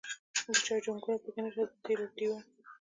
د چا جونګړه پکې نشته د تېلو ډیوه.